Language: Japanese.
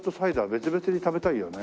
別々に食べたいよね。